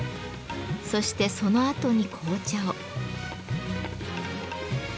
そしてそのあとに紅茶を。